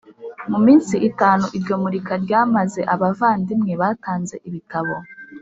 Mu minsi itanu iryo murika ryamaze abavandimwe batanze ibitabo